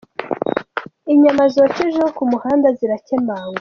Inyama zokeje zo ku muhanda zirakemangwa